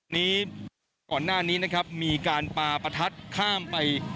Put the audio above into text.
นี้ก่อนหน้านี้นะครับมีการปาประทัดข้ามไป